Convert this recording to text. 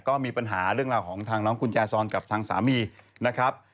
ก็มีปัญหาเรื่องราวของทางน้องกุญแจซอนกับทางสามีนะครับ